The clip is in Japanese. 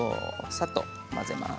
さっと混ぜます。